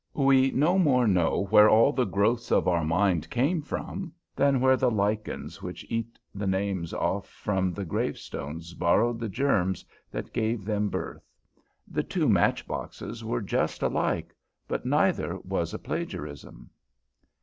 We no more know where all the growths of our mind came from, than where the lichens which eat the names off from the gravestones borrowed the germs that gave them birth. The two match boxes were just alike, but neither was a plagiarism.